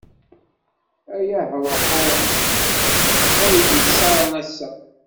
Ay ahṛuḥu, ay d-ittṣaren ass-a.